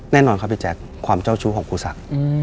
แน่นอนครับอย่าแจกความเจ้าชู้ของครูสัก